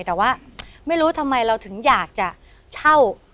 แต่ว่าไม่รู้ทำไมเราถึงอยากจะเช่า